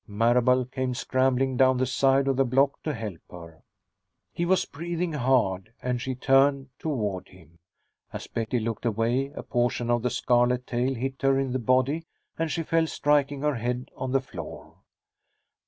Marable came scrambling down the side of the block to help her. He was breathing hard, and she turned toward him; as Betty looked away, a portion of the scarlet tail hit her in the body and she fell, striking her head on the floor.